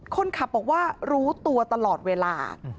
คนขับบอกว่ารู้ตัวตลอดเวลา